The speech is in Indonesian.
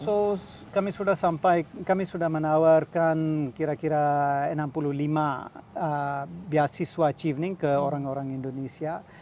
so kami sudah sampai kami sudah menawarkan kira kira enam puluh lima beasiswa chiefning ke orang orang indonesia